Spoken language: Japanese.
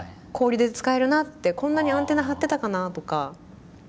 氷で使えるなってこんなにアンテナ張ってたかなとか。